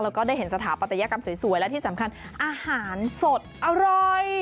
แล้วก็ได้เห็นสถาปัตยกรรมสวยและที่สำคัญอาหารสดอร่อย